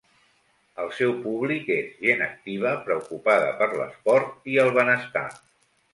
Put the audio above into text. El seu públic és gent activa, preocupada per l’esport i el benestar.